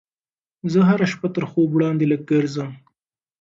زه هره شپه تر خوب وړاندې لږ ګرځم.